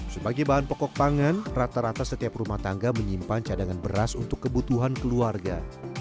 sebagai bahan pokok pangan rata rata setiap rumah tangga menyimpan cadangan beras untuk kebutuhan keluarga